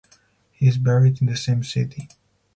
He is buried in the same city.